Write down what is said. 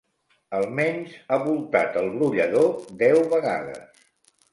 Almenys ha voltat el brollador deu vegades.